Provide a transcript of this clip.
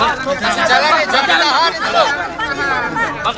apakah yang mau nempati kebunan pak